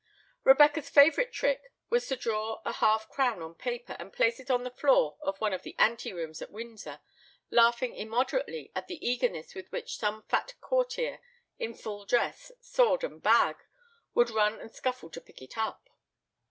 Rebecca's favourite trick was to draw a half crown on paper, and place it on the floor of one of the ante rooms at Windsor, laughing immoderately at the eagerness with which some fat courtier in full dress, sword and bag, would run and scuffle to pick it up.